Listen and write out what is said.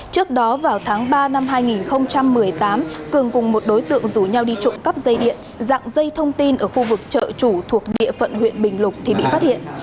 trước đó vào tháng ba năm hai nghìn một mươi tám cường cùng một đối tượng rủ nhau đi trộm cắp dây điện dạng dây thông tin ở khu vực chợ chủ thuộc địa phận huyện bình lục thì bị phát hiện